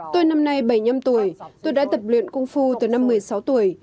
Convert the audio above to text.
tôi năm nay bảy mươi năm tuổi tôi đã tập luyện cung phu từ năm một mươi sáu tuổi